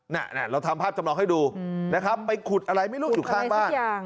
น่ะเราทำภาพจำลองให้ดูนะครับไปขุดอะไรไม่รู้อยู่ข้างบ้าน